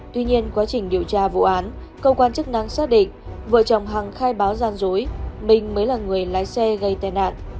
tuy nhiên quá trình điều tra vụ án cơ quan chức năng xác định vợ chồng hằng khai báo gian dối mình mới là người lái xe gây tai nạn